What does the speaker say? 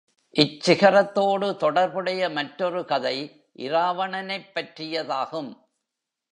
இச் சிகரத்தோடு தொடர்புடைய மற்றொரு கதை இராவணனைப் பற்றியதாகும்.